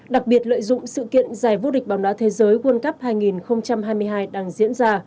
đặc biệt lợi dụng sự kiện giải vô địch bóng đá thế giới world cup hai nghìn hai mươi hai đang diễn ra